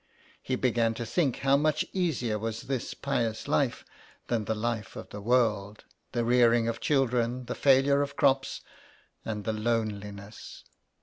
He began to think how much easier was this pious life than the life of the world — the rearing of children, the failure of crops, and the loneliness.